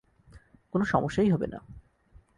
কোন সমস্যাই হবে না।